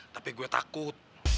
tapi gue takut